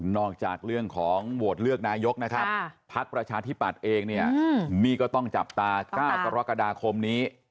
นอกจากเรื่องของโหวดเลือกนายกนะครับภักดิ์ประชาธิบัติเองเนี่ยมีก็ต้องจับตาก้าวตรกฎาคมนี้